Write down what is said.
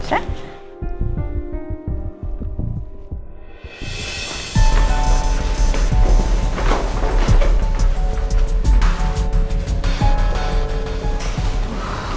mantel banget lagi